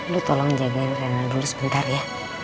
lo tolong jagain rena dulu sebentar ya